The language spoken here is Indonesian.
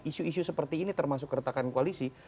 isu isu seperti ini termasuk keretakan koalisi